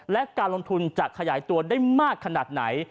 และการลงทุนจะขยายตัวได้มากขนาดไหน